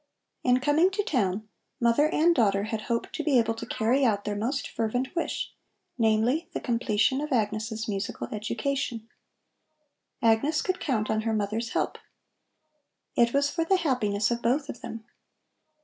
In coming to town, mother and daughter had hoped to be able to carry out their most fervent wish, namely, the completion of Agnes' musical education. Agnes could count on her mother's help. It was for the happiness of both of them.